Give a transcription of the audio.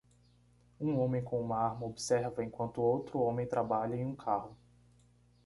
Um homem com uma arma observa enquanto outro homem trabalha em um carro.